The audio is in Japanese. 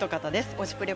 「推しプレ！」